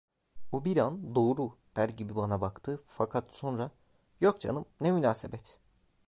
O bir an "doğru" der gibi bana baktı, fakat sonra: "Yok canım, ne münasebet!"